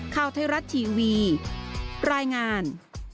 ข่าวไทยรัฐทีวีรายงาน